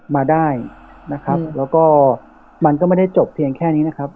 มาได้นะครับแล้วก็มันก็ไม่ได้จบเพียงแค่นี้นะครับ